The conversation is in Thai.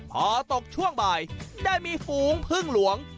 พอตกช่วงบ่ายได้มีฝูงพึ่งหลวง